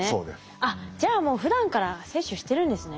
あっじゃあもうふだんから摂取してるんですね。